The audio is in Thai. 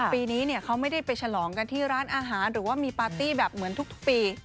ปีนี้เขาไม่ได้ไปฉลองกันที่ร้านอาหารหรือว่ามีปาร์ตี้แบบเหมือนทุกปี